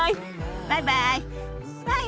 バイバイ！